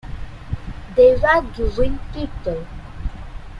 They were giving people.